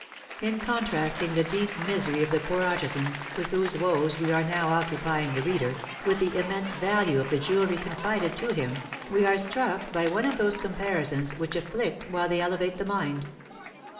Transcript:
In contrasting the deep misery of the poor artisan, with whose woes we are now occupying the reader, with the immense value of the jewelry confided to him, we are struck by one of those comparisons which afflict while they elevate the mind.